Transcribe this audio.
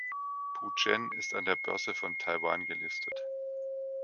Pou Chen ist an der Börse von Taiwan gelistet.